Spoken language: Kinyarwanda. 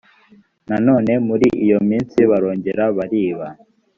nanone muri iyo minsibarongera bariba